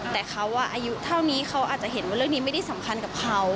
แต่เขาอายุเท่านี้เขาอาจจะเห็นว่าเรื่องนี้ไม่ได้สำคัญกับเขา